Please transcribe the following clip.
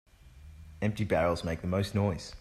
Empty barrels make the most noise.